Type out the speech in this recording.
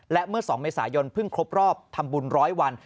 และเมื่อ๒เมษายนเพิ่งครบรอบทำบุญร้อยวัน